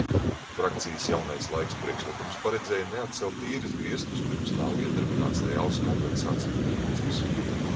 "Frakcijas "Jaunais laiks" priekšlikums paredzēja neatcelt īres griestus, pirms nav iedarbināts reāls kompensāciju mehānisms."